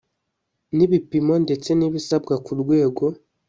n ibipimo ndetse n ibisabwa ku rwego